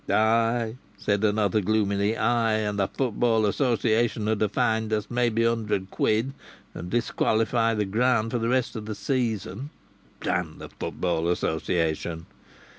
"Ay!" said another, gloomily, "ay! And th' Football Association 'ud ha' fined us maybe a hundred quid and disqualified th' ground for the rest o' th' season!" "D n th' Football Association!"